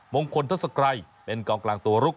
มงคลทศกรัยเป็นกองกลางตัวลุก